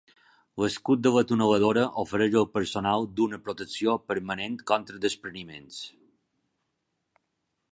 L'escut de la tuneladora ofereix al personal d'una protecció permanent contra despreniments.